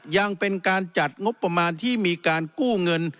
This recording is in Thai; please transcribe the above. ยังเป็นการจัดงบประมาณที่มีการกู้เงิน